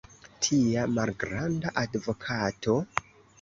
tia malgranda advokato?